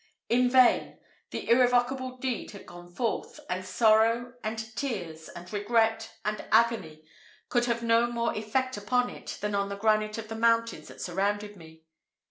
In vain! The irrevocable deed had gone forth; and sorrow, and tears, and regret, and agony could have no more effect upon it than on the granite of the mountains that surrounded me.